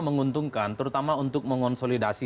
menguntungkan terutama untuk mengonsolidasi